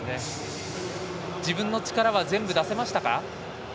自分の力は全部出せましたか。